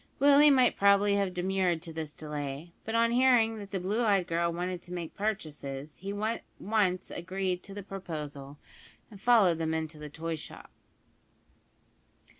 Willie might probably have demurred to this delay; but on hearing that the blue eyed girl wanted to make purchases, he at once agreed to the proposal, and followed them into the toy shop.